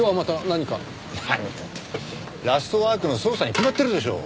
何って『ラストワーク』の捜査に決まってるでしょ。